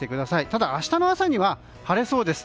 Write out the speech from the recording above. ただ、明日の朝には晴れそうです。